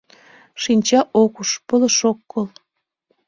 «Шинча ок уж, пылыш ок кол.